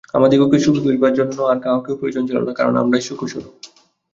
আমাদিগকে সুখী করিবার জন্য আর কাহাকেও প্রয়োজন ছিল না, কারণ আমরাই সুখস্বরূপ।